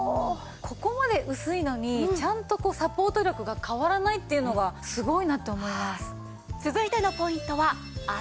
ここまで薄いのにちゃんとサポート力が変わらないっていうのがすごいなと思います。